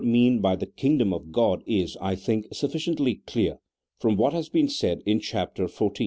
mean "by the kingdom of God is, I think, sufficiently clear from what has been said in Chapter XTV.